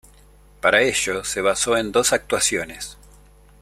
Para ello, se basó en dos actuaciones.